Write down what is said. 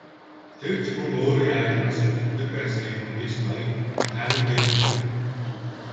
Тэр ч мөн өөрийн аяганаас хүртдэг байсан юм гэж ноён Каннингем хэлэв.